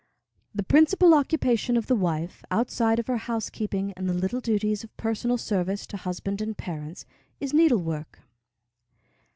The principal occupation of the wife, outside of her housekeeping and the little duties of personal service to husband and parents, is needle work.